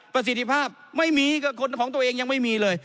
ประสิทธิภาพไม่มีก็คนของตัวเองยังไม่มีเลย